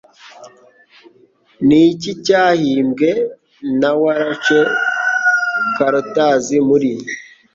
Niki cyahimbwe na Wallace Carothers Muri